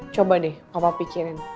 coba deh papa pikirin